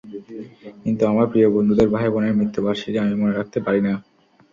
কিন্তু আমার প্রিয় বন্ধুদের, ভাইবোনের মৃত্যুবার্ষিকী আমি মনে রাখতে পারি না।